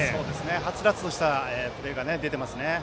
はつらつとしたプレーが出ていますね。